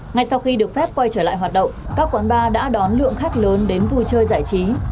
ngay sau khi được phép quay trở lại hoạt động các quán bar đã đón lượng khách lớn đến vui chơi giải trí